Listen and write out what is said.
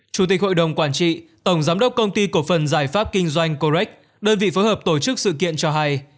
chủ tịch hội đồng quản trị tổng giám đốc công ty cổ phần giải pháp kinh doanh corect đơn vị phối hợp tổ chức sự kiện cho hay